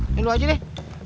ini lu aja deh